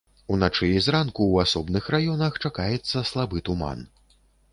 Уначы і зранку ў асобных раёнах чакаецца слабы туман.